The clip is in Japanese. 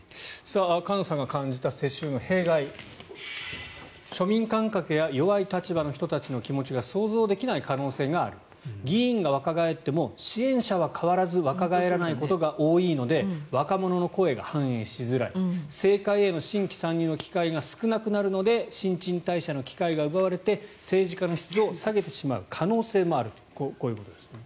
菅野さんが感じた世襲の弊害庶民感覚や弱い立場の人たちの気持ちが想像できない可能性がある議員が若返っても支援者は変わらず若返らないことが多いので若者の声が反映しづらい政界への新規参入の機会が少なくなるので新陳代謝の機会が奪われて政治家の質を下げてしまう可能性もあると。